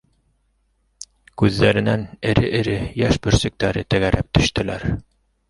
Күҙҙәренән эре-эре йәш бөрсөктәре тәгәрәп төштөләр.